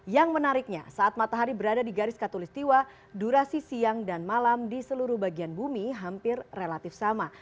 yang menariknya saat matahari berada di garis katolistiwa durasi siang dan malam di seluruh bagian bumi hampir relatif sama